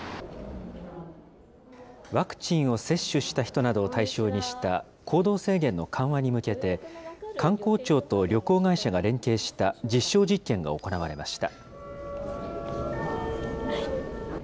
ワクチンを接種した人などを対象にした、行動制限の緩和に向けて、観光庁と旅行会社が連携した実証実験が行われました。